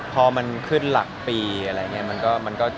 พอมันขึ้นหลักปีอะไรอย่างนี้